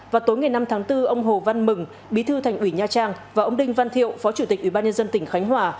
vào tối ngày năm tháng bốn ông hồ văn mừng bí thư thành ủy nha trang và ông đinh văn thiệu phó chủ tịch ủy ban nhân dân tỉnh khánh hòa